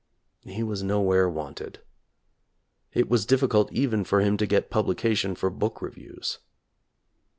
He was nowhere wanted. It was difficult even for him to get publication for book reviews.